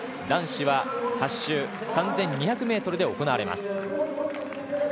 男子は８周３２００ｍで行われます。